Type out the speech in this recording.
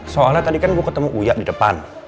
soalnya tadi kan gue ketemu uya di depan